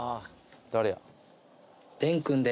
「誰や？」